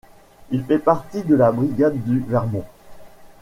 Il fait partie de la brigade du Vermont.